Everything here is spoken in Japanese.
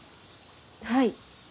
はい。